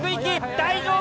・大丈夫？